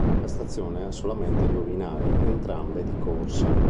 La stazione ha solamente due binari entrambe di corsa.